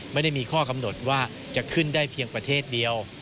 ไม่ได้มีข้อกำหนดว่าจะขึ้นได้เพียงประเทศเดียว